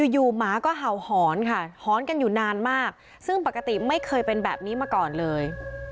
หมาก็เห่าหอนค่ะหอนกันอยู่นานมากซึ่งปกติไม่เคยเป็นแบบนี้มาก่อนเลย